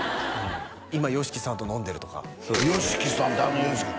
「今ＹＯＳＨＩＫＩさんと飲んでる」とかＹＯＳＨＩＫＩさんってあのＹＯＳＨＩＫＩ？